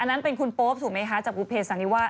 อันนั้นเป็นคุณโป๊บถูกไหมค่ะจากบูปเพสัณหิวาด